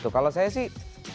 kalau saya sih